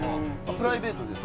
プライベートですか？